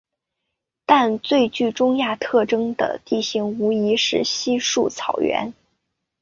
但最具中亚特征的地形无疑是稀树草原。